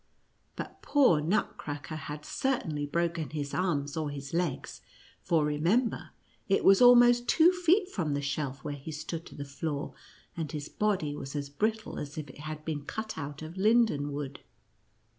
But poor Nutcracker had certainly "bro ken Ms arms or his legs, for remember, it was almost two feet from the shelf where he stood to the floor, and his body was as brittle as if it had been cut out of Linden wood.